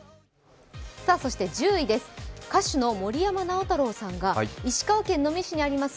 そして１０位です、歌手の森山直太朗さんが石川県能美市にあります